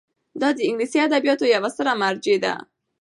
دا د انګلیسي ادبیاتو یوه ستره مرجع ده.